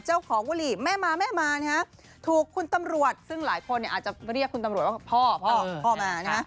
เจ้าของวลีแม่มาแม่มาถูกคุณตำรวจซึ่งหลายคนอาจจะเรียกคุณตำรวจว่าพ่อพ่อพ่อมา